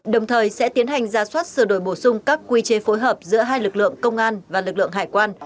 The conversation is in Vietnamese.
đồng thời sẽ tiến hành ra soát sửa đổi bổ sung các quy chế phối hợp giữa hai lực lượng công an và lực lượng hải quan